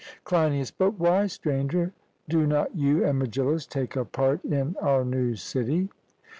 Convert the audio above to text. CLEINIAS: But why, Stranger, do not you and Megillus take a part in our new city?